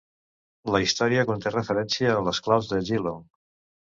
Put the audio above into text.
La història conté referència a les claus de Geelong.